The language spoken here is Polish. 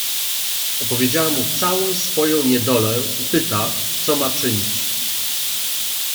"Opowiedział mu całą swoją niedolę i pyta, co ma czynić."